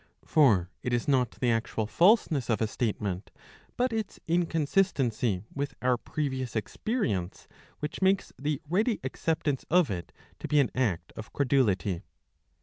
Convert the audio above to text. For it is not the actual falseness of a statement, but its inconsistency with our previous experience, which makes the ready acceptance of it to be an act of credulity.